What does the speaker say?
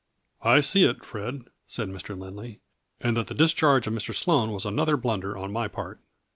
" I see it, Fred," said Mr. Lindley, "and that the discharge of Mr. Sloane was another blunder on my part."